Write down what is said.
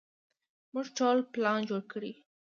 موږ ټول پلان جوړ کړى و.